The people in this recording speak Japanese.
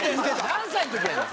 何歳の時やねん？